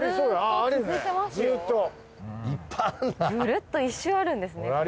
ぐるっと１周あるんですね。